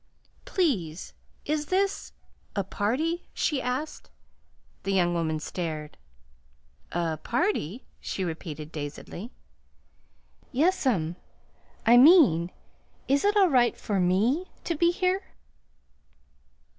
"Please, is this a party?" she asked. The young woman stared. "A party!" she repeated dazedly. "Yes'm. I mean, is it all right for me to be here?"